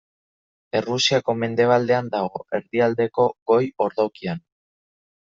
Errusiako mendebaldean dago, erdialdeko goi-ordokian.